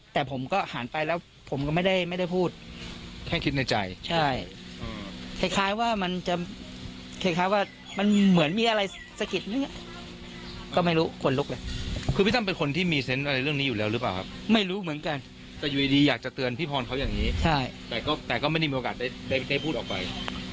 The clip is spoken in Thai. แต่ไม่ได้มีโอกาสได้พูดออกไป